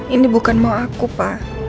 ini bukan mau aku pak